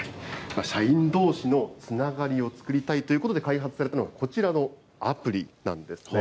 社員どうしのつながりを作りたいということで、開発されたのがこちらのアプリなんですね。